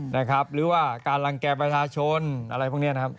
หรือว่าการรังแก่ประชาชนอะไรพวกนี้นะครับ